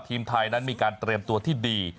ทีมไทยนั้นมีการเตรียมตัวที่ดี